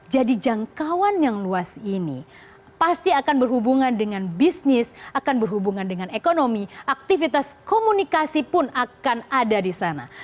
jadi jangkauan yang luas ini pasti akan berhubungan dengan bisnis akan berhubungan dengan ekonomi aktivitas komunikasi pun akan ada di sana